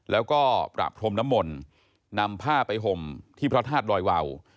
แล้วก็ปราบพรมนมลนำผ้าไปห่มที่พระทาสดอยวาว